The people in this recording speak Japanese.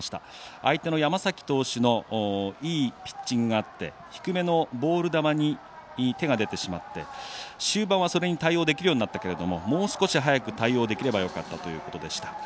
相手の山崎投手のいいピッチングがあって低めのボール球に手が出てしまって終盤はそれに対応できるようになったけれどももう少し早く対応できればよかったということでした。